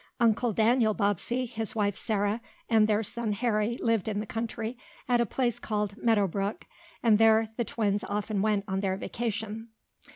Uncle Daniel Bobbsey, his wife Sarah, and their son Harry lived in the country, at a place called Meadow Brook, and there the twins often went on their vacation.